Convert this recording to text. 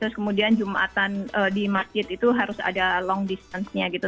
terus kemudian jumatan di masjid itu harus ada long distance nya gitu